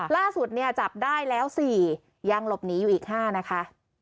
ล่าสุดเนี่ยจับได้แล้ว๔ยังหลบหนีอยู่อีก๕นะคะ